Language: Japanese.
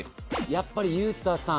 「やっぱり雄太さん